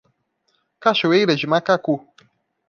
Cachoeiras de Macacu